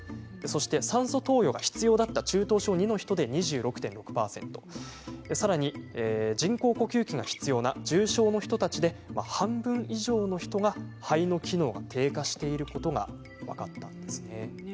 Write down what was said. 酸素投与が必要だった中等症２の人で２６．６％人工呼吸器が必要な重症の人たちで半分以上の人が肺の機能が低下していたことが分かったんです。